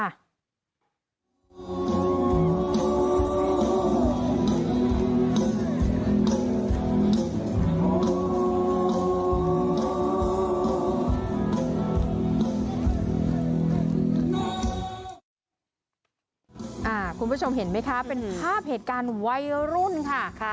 คุณผู้ชมเห็นไหมคะเป็นภาพเหตุการณ์วัยรุ่นค่ะ